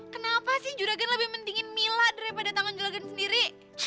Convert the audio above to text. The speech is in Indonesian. kenapa sih juragan lebih pentingin mila daripada tangan juragan sendiri